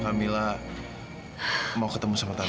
kamila kangen banget sama makan